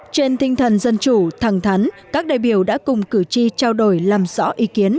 trên tinh thần dân chủ thẳng thắn các đại biểu đã cùng cử tri trao đổi làm rõ ý kiến